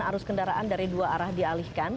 arus kendaraan dari dua arah dialihkan